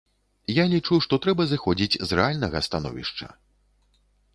Я лічу, што трэба зыходзіць з рэальнага становішча.